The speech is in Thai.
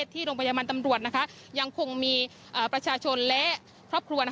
ที่โรงพยาบาลตำรวจยังคงมีประชาชนและครอบครัว